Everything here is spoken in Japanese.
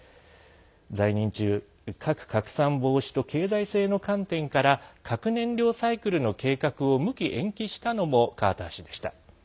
在任中、核拡散防止と経済性の観点から核燃料サイクル計画を無期延期したのもカーター氏でした。